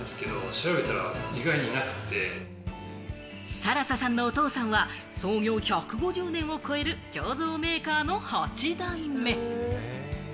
更紗さんのお父さんは創業１５０年を超える醸造メーカーの８代目。